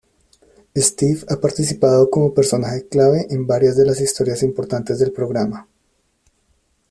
Steph ha participado como personaje clave en varias de las historias importantes del programa.